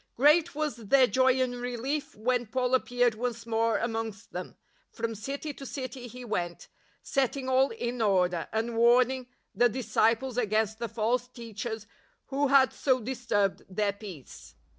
Great was their joy and relief when Paul appeared once more amongst them. From city to city he went, setting all in order, and warning the disciples against the false teachers who had so disturbed their peace.